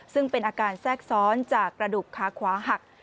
ซึ่งเป็นอาการแทรกซ้อนจากกระดูกขาขวาหัก